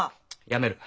やめる。